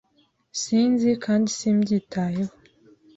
Sinzi, kandi simbyitayeho.